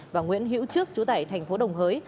và nguyễn hữu trước trú tại thành phố đồng hới